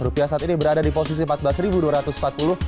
rupiah saat ini berada di posisi rp empat belas dua ratus empat puluh